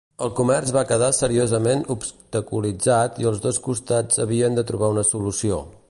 El comerç va quedar seriosament obstaculitzat i els dos costats havien de trobar una solució.